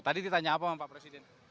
tadi ditanya apa sama pak presiden